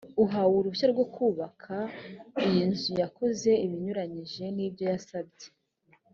uwahawe uruhushya rwo kubaka iyi nzu yakoze ibinyuranyije nibyo yasabye